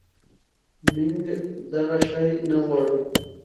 منږ دغه شی نه غواړو